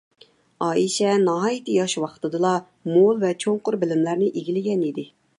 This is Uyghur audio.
ئائىشە ناھايىتى ياش ۋاقتىدىلا مول ۋە چوڭقۇر بىلىملەرنى ئىگىلىگەن ئىدى.